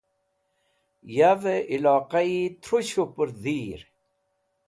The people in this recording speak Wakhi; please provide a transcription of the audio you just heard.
Yavẽ iyloqi tru shupr dhir.